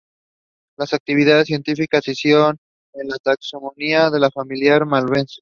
Sus actividades científicas incidieron en la taxonomía de la familia de Malvaceae.